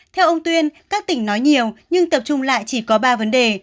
theo ông tuyên các tỉnh nói nhiều nhưng tập trung lại chỉ có ba vấn đề